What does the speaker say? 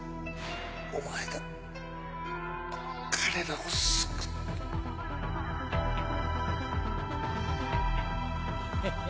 お前が彼らを救ハハハ。